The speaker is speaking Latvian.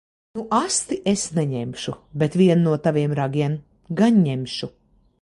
Nu asti es neņemšu. Bet vienu no taviem ragiem gan ņemšu.